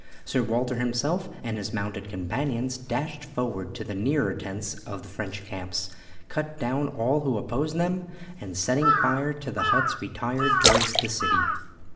Sir Walter himself and his mounted companions dashed forward to the nearer tents of the French camps, cut down all who opposed them, and setting fire to the huts retired towards the city.